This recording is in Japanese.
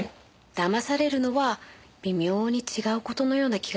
騙されるのは微妙に違う事のような気がしますけど。